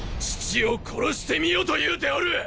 父を殺してみよと言うておる！！